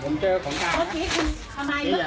ทำไมอ่ะปล่องของฉันน่ะ